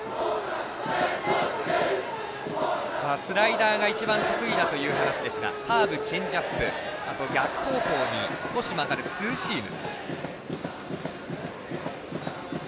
スライダーが一番得意だという話ですがカーブ、チェンジアップあと逆方向に少し曲がるツーシーム。